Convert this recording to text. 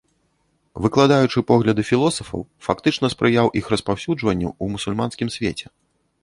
Выкладаючы погляды філосафаў, фактычна спрыяў іх распаўсюджванню ў мусульманскім свеце.